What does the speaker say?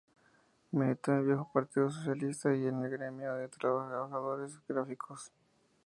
Militó en el viejo Partido Socialista y en el gremio de los trabajadores gráficos.